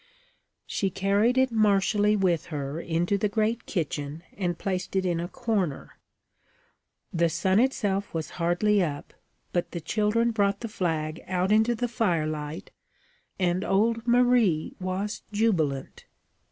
She carried it martially with her into the great kitchen, and placed it in a corner. The sun itself was hardly up, but the children brought the flag out into the firelight and old Marie was jubilant.